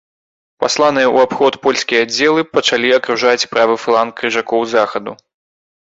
Пасланыя ў абход польскія аддзелы пачалі акружаць правы фланг крыжакоў з захаду.